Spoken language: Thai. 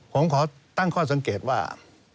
ผมขอตั้งข้อสังเกตว่า